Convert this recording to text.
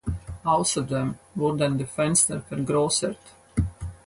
Außerdem wurden die Fenster vergrößert.